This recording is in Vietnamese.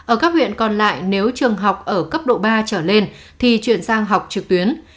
ở các huyện còn lại nếu trường học ở cấp độ ba trở lên thì chuyển sang học trực tuyến